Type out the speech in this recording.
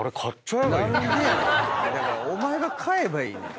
だからお前が買えばいいねん！